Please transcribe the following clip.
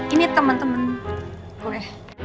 ini teman teman gue